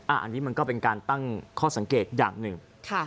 อันนี้มันก็เป็นการตั้งข้อสังเกตอย่างหนึ่ง